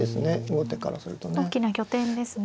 後手からするとね。